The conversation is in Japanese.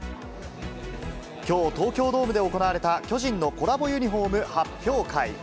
きょう、東京ドームで行われた巨人のコラボユニホーム発表会。